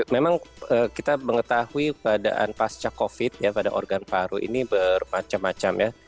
memang kita mengetahui keadaan pasca covid ya pada organ paru ini bermacam macam ya